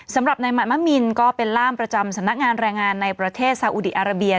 สำหรับนายมามะมินก็เป็นล่ามประจำสำนักงานแรงงานในประเทศซาอุดีอาราเบีย